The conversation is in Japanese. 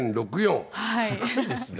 すごいですね。